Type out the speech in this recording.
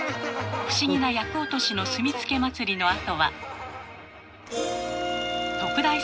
不思議な厄落としの炭つけ祭りのあとは。